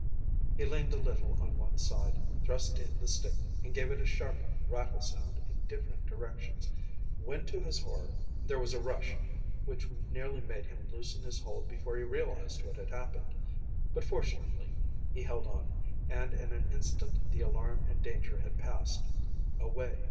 He leaned a little on one side, thrust in the stick, and gave it a sharp rattle round in different directions, when to his horror there was a rush which nearly made him loosen his hold before he realised what had happened. But fortunately he held on, and in an instant the alarm and danger had passed away.